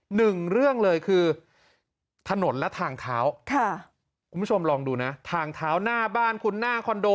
หนึ่งเรื่องเลยคือถนนและทางเท้าค่ะคุณผู้ชมลองดูนะทางเท้าหน้าบ้านคุณหน้าคอนโด